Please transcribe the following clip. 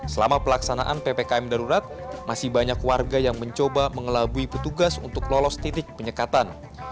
selama pelaksanaan ppkm darurat masih banyak warga yang mencoba mengelabui petugas untuk lolos titik penyekatan